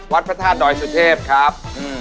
วัดพระธาตุรายสุทธิพย์ครับ